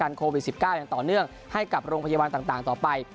โควิด๑๙อย่างต่อเนื่องให้กับโรงพยาบาลต่างต่อไป